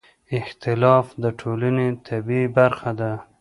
اختلاف د ټولنې طبیعي برخه ده